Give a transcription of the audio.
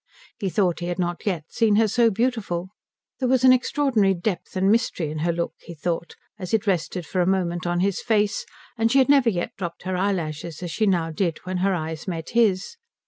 He thought he had not yet seen her so beautiful. There was an extraordinary depth and mystery in her look, he thought, as it rested for a moment on his face, and she had never yet dropped her eyelashes as she now did when her eyes met his.